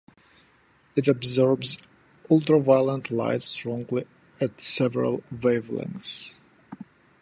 It absorbs ultraviolet light strongly at several wavelengths.